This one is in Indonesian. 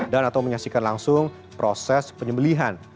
dan atau menyaksikan langsung proses penyembelian